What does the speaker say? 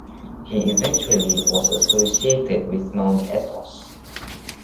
He eventually was associated with Mount Athos.